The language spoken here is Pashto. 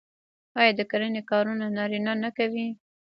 آیا د کرنې کارونه نارینه نه کوي؟